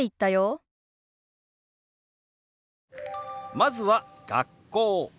まずは「学校」。